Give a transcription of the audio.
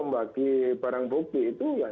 barang bukti itu